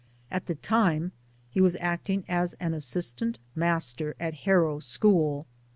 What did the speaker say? At the time he was acting as an assistant master at Harrow School.